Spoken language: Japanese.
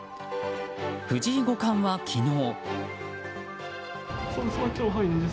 藤井五冠は昨日。